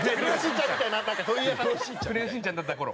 クレヨンしんちゃんだった頃。